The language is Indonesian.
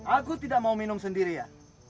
aku tidak mau minum sendiri ya